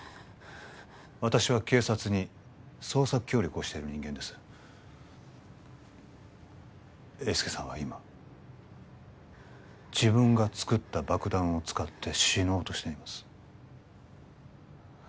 私は警察に捜査協力をしている人間です英輔さんは今自分が作った爆弾を使って死のうとしています